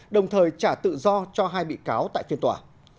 đồng thời trả tự do cho hai bị cáo tại phiên tòa